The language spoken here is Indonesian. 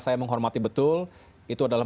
saya menghormati betul itu adalah